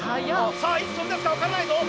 さあいつ飛び出すか分からないぞ！